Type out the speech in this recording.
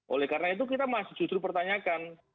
oleh karena itu kita masih justru pertanyakan